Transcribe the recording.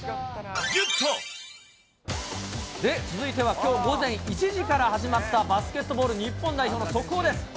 続いては、きょう午前１時から始まったバスケットボール日本代表の速報です。